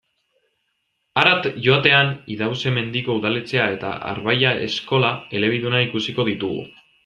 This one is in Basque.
Harat joatean, Idauze-Mendiko udaletxea eta Arbailla eskola elebiduna ikusiko ditugu.